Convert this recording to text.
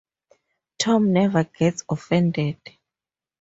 Tom never gets offended.